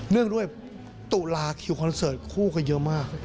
เรื่องด้วยตุลาคิวคอนเสิร์ตคู่กันเยอะมาก